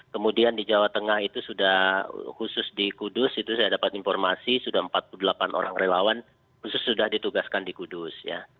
kemudian di jawa tengah itu sudah khusus di kudus itu saya dapat informasi sudah empat puluh delapan orang relawan khusus sudah ditugaskan di kudus